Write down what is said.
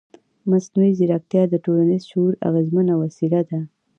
مصنوعي ځیرکتیا د ټولنیز شعور اغېزمنه وسیله ده.